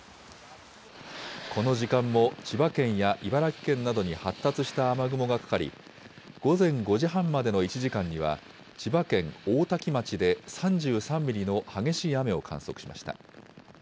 この時間も千葉県や茨城県などに発達した雨雲がかかり、午前５時半までの１時間には、千葉県大多喜町で３３ミリの激しい雨を観測しました。